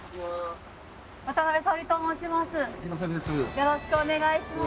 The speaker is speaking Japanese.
よろしくお願いします。